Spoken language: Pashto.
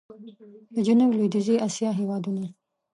د جنوب لوېدیځي اسیا هېوادونه